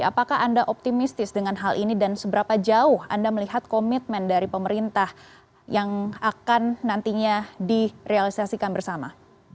apakah anda optimistis dengan hal ini dan seberapa jauh anda melihat komitmen dari pemerintah yang akan nantinya direalisasikan bersama